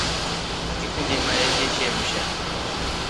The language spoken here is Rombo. Ngikundi mayai yeshemsha.